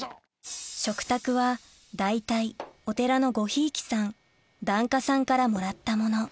食卓は大体お寺のごひいきさん檀家さんからもらったもの